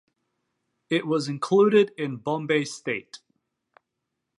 It was included in Bombay state.